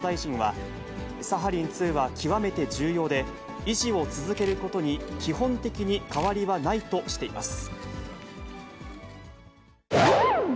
萩生田経済産業大臣は、サハリン２は極めて重要で、維持を続けることに基本的に変わりはないとしています。